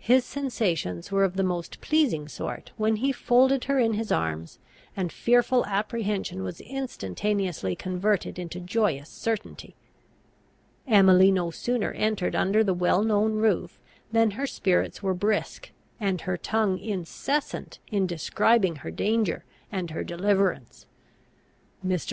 His sensations were of the most pleasing sort when he folded her in his arms, and fearful apprehension was instantaneously converted into joyous certainty. Emily no sooner entered under the well known roof than her spirits were brisk, and her tongue incessant in describing her danger and her deliverance. Mr.